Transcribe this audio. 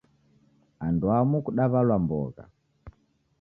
Anduamu kudaw'alwa mbogha